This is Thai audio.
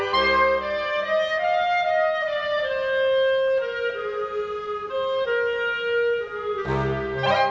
โปรดติดตามต่อไป